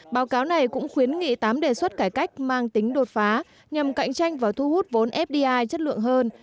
báo cáo này cũng khuyến nghị tám đề xuất cải cách mang tính đột phá nhằm cạnh tranh và thu hút vốn fdi chất lượng hơn